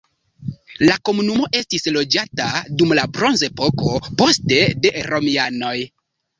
La komunumo estis loĝata dum la bronzepoko, poste de romianoj.